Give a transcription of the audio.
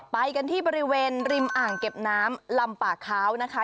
ไปกันที่บริเวณริมอ่างเก็บน้ำลำป่าค้าวนะคะ